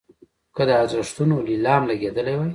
که د ارزښتونو نیلام لګېدلی وي.